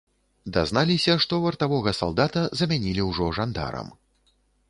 Дазналіся, што вартавога салдата замянілі ўжо жандарам.